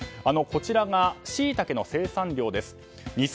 こちらがシイタケの生産量です。